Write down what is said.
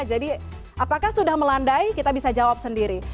jadi apakah sudah melandai kita bisa jawab sendiri